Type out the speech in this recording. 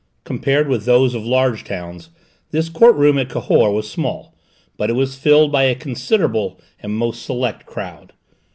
Compared with those of large towns, this court room at Cahors was small, but it was filled by a considerable and most select crowd.